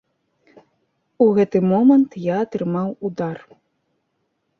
У гэты момант я атрымаў удар.